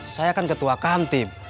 saya kan ketua kamtib